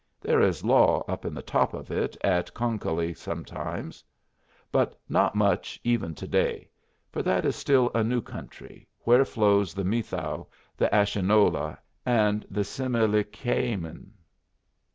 There is law up in the top of it at Conconully sometimes, but not much even to day, for that is still a new country, where flow the Methow, the Ashinola, and the Similikameen.